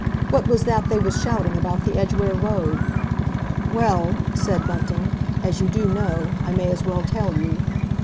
What was that they was shouting about the Edgware Road?" "Well," said Bunting, "as you do know, I may as well tell you.